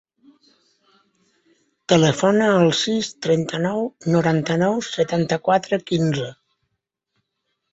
Telefona al sis, trenta-nou, noranta-nou, setanta-quatre, quinze.